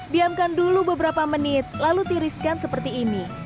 diamkan dulu beberapa menit lalu tiriskan seperti ini